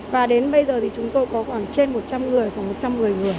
và đến bây giờ thì chúng tôi có khoảng trên một trăm linh người khoảng một trăm một mươi người